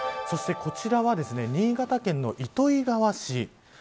そして、こちらは新潟県の糸魚川市。